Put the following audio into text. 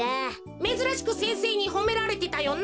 めずらしく先生にほめられてたよな。